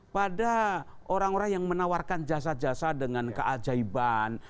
pada orang orang yang menawarkan jasa jasa dengan keajaiban